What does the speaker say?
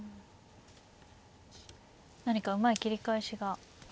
何かうまい切り返しがあるのか。